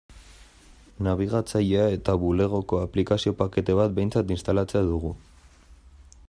Nabigatzailea eta Bulegoko aplikazio-pakete bat behintzat instalatzea dugu.